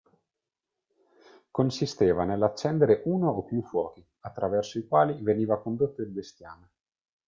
Consisteva nell'accendere uno o più fuochi, attraverso i quali veniva condotto il bestiame.